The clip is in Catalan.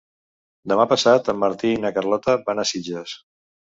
Demà passat en Martí i na Carlota van a Sitges.